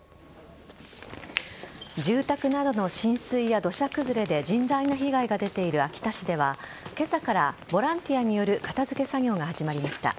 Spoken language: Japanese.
住宅などの浸水や土砂崩れで甚大な被害が出ている秋田市では今朝からボランティアによる片付け作業が始まりました。